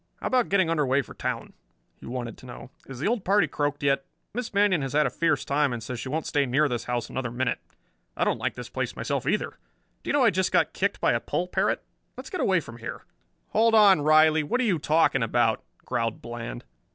"How about getting under way for town," he wanted to know. "Is the old party croaked yet? Miss Manion has had a fierce time and says she won't stay near this house another minute. I don't like this place myself either. Do you know I just got kicked by a poll parrot? Let's get away from here." "Hold on, Riley, what are you talking about?" growled Bland.